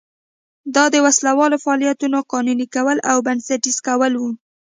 دا د وسله والو فعالیتونو قانوني کول او بنسټیزه کول و.